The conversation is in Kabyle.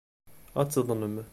Ad taḍnem.